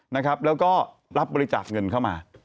นะครับแล้วก็รับบริจาภเงินเข้ามา